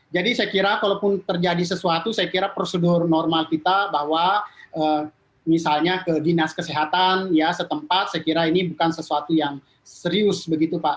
jadi saya kira kalaupun terjadi sesuatu saya kira prosedur normal kita bahwa misalnya ke dinas kesehatan ya setempat saya kira ini bukan sesuatu yang serius begitu pak